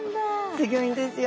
すギョいんですよ。